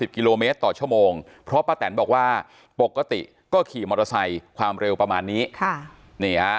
กิโลเมตรต่อชั่วโมงเพราะป้าแตนบอกว่าปกติก็ขี่มอเตอร์ไซค์ความเร็วประมาณนี้